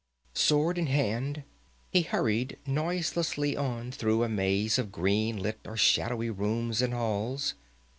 Sword in hand, he hurried noiselessly on through a maze of green lit or shadowy rooms and halls.